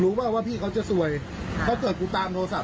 หลุมไม่ได้สิถ้าผมไม่เจอทราบมึงอ่ะจะทำยังไง